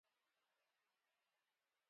خصمانه افدام ته تیار ناست وو.